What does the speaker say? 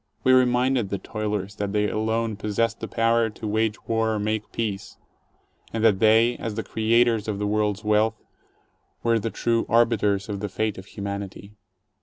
We reminded the toilers that they alone possessed the power to wage war or make peace, and that they — as the creators of the world's wealth — were the true arbiters of the fate of humanity.